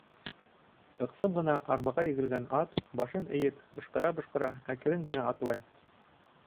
Ыҡсым ғына арбаға егелгән ат, башын эйеп, бышҡыра-бышҡыра әкрен генә атлай.